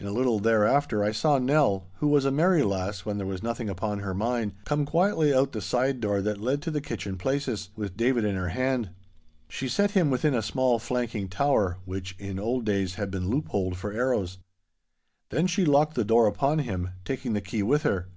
In a little thereafter I saw Nell, who was a merry lass when there was nothing upon her mind, come quietly out of the side door that led to the kitchen places, with David in her hand. She set him within a small flanking tower, which in old days had been loop holed for arrows. Then she locked the door upon him, taking the key with her.